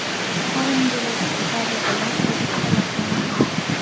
هغه نجلۍ چې کتاب یې په لاس کې دی خپله خور مې ده.